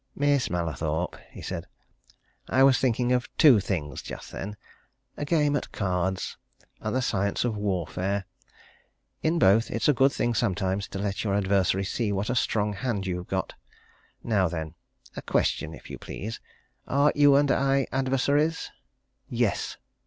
"Miss Mallathorpe!" he said. "I was thinking of two things just then a game at cards and the science of warfare. In both it's a good thing sometimes to let your adversary see what a strong hand you've got. Now, then, a question, if you please are you and I adversaries?" "Yes!"